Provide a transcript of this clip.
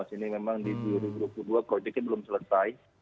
ini memang di dua ribu dua puluh dua proyeknya belum selesai